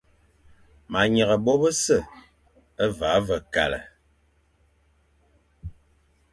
Ma nyeghe bô bese, va ve kale.